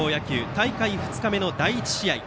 大会２日目の第１試合。